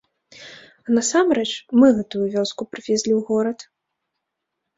А насамрэч, мы гэтую вёску прывезлі ў горад.